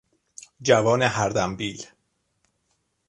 جوان هردمبیل